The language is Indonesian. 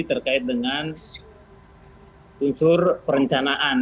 terkait dengan unsur perencanaan